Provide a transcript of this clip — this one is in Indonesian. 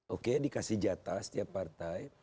oke dikasih jatah setiap partai